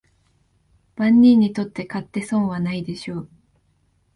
万人にとって買って損はないでしょう